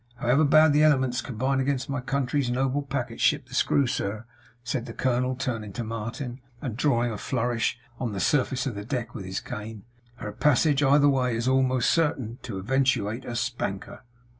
However bad the elements combine against my country's noble packet ship, the Screw, sir,' said the colonel, turning to Martin, and drawing a flourish on the surface of the deck with his cane, 'her passage either way is almost certain to eventuate a spanker!